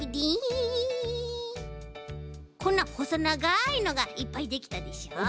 こんなほそながいのがいっぱいできたでしょう。